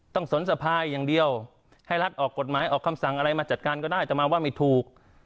สนสภายอย่างเดียวให้รัฐออกกฎหมายออกคำสั่งอะไรมาจัดการก็ได้แต่มาว่าไม่ถูก